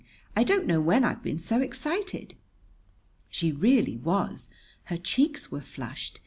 I don't know when I've been so excited." She really was. Her cheeks were flushed.